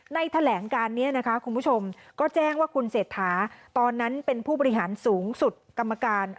แถลงการนี้นะคะคุณผู้ชมก็แจ้งว่าคุณเศรษฐาตอนนั้นเป็นผู้บริหารสูงสุดกรรมการ